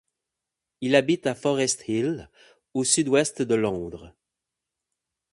Il habite à Forest Hill, au sud-est de Londres.